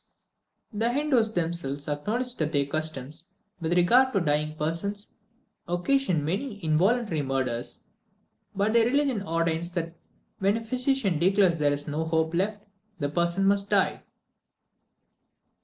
The Hindoos themselves acknowledge that their customs, with regard to dying persons, occasion many involuntary murders; but their religion ordains that when the physician declares there is no hope left, the person must die.